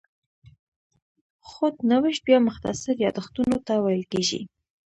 خود نوشت بیا مختصر یادښتونو ته ویل کېږي.